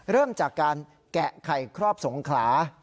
เริ่มจากการแกะไข่ครอบสงขลา